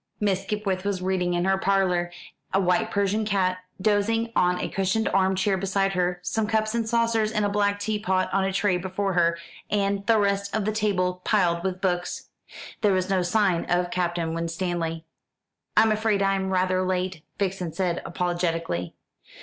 Miss Skipwith was reading in her parlour, a white Persian cat dozing on a cushioned arm chair beside her, some cups and saucers and a black teapot on a tray before her, and the rest of the table piled with books. There was no sign of Captain Winstanley. "I'm afraid I'm rather late," Vixen said apologetically.